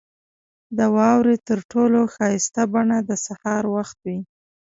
• د واورې تر ټولو ښایسته بڼه د سهار وخت وي.